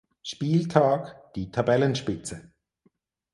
Spieltag die Tabellenspitze.